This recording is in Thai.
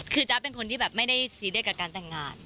คือจ๊ะเป็นคนที่แบบไม่ได้ซีเรียสกับการแต่งงาน